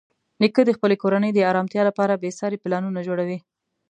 نیکه د خپلې کورنۍ د ارامتیا لپاره بېساري پلانونه جوړوي.